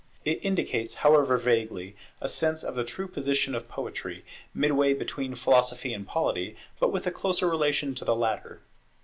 It indicates, however vaguely, a sense of the true position of Poetry, midway between Philosophy and Polity, but with a closer relation to the latter.